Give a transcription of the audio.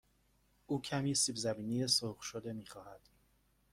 او کمی سیب زمینی سرخ شده می خواهد.